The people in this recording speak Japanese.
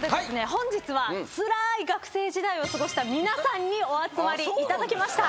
本日はつらい学生時代を過ごした皆さんにお集まりいただきました。